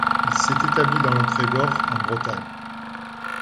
Il s'est établi dans le Trégor, en Bretagne.